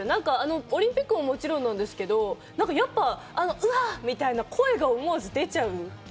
オリンピックももちろんなんですけど、やっぱ、あの「うわ！」みたいな声が思わず出ちゃう。